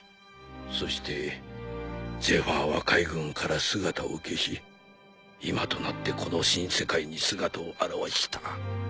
そしてゼファーは海軍から姿を消し今となってこの新世界に姿を現した。